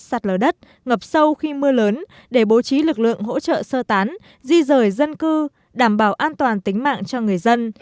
sạt lở đất ngập sâu khi mưa lớn để bố trí lực lượng hỗ trợ sơ tán di rời dân cư đảm bảo an toàn tính mạng cho người dân